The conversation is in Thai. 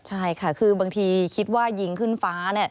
ใช่ค่ะคือบางทีคิดว่ายิงขึ้นฟ้าเนี่ย